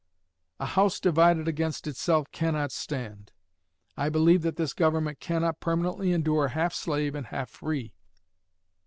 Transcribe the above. "A house divided against itself cannot stand." I believe that this Government cannot permanently endure half slave and half free.